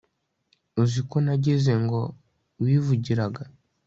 uziko nagize ngo wivugiraga